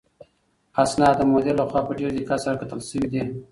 اسناد د مدیر لخوا په ډېر دقت سره کتل شوي دي.